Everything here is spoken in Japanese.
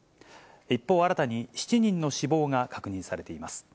一方、新たに７人の死亡が確認されています。